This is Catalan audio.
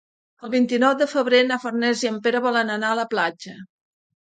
El vint-i-nou de febrer na Farners i en Pere volen anar a la platja.